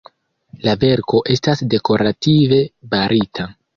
La verko estas dekorative barita.